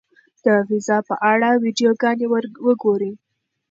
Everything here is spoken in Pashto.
د فضا په اړه ویډیوګانې وګورئ.